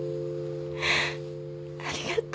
ありがとう。